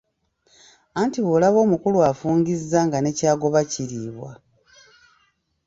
Anti bw'olaba omukulu afungizza nga ne ky'agoba kiriibwa.